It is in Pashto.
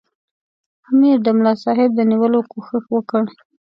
امیر د ملاصاحب د نیولو کوښښ وکړ.